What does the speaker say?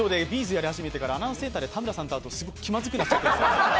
’ｚやりはじめてからアナウンサーセンターで田村さんに会うとすごく気まずくなっちゃうんです。